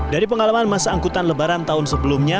dari pengalaman masa angkutan lebaran tahun sebelumnya